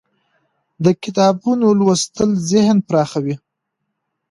د کتابونو لوستل ذهن پراخوي.